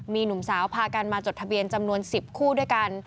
มีหนุ่มสาวพากันมาจดทะเบียนจำนวน๑๐คู่ด้วยกัน